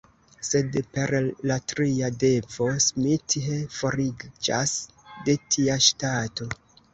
Sed per la tria devo Smith foriĝas de tia ŝtato.